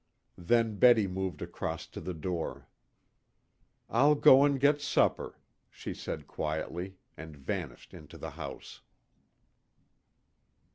Then Betty moved across to the door. "I'll go and get supper," she said quietly, and vanished into the house.